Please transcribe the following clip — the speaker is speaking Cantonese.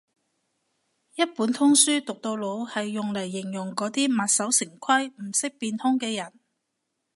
一本通書讀到老係用嚟形容嗰啲墨守成規唔識變通嘅人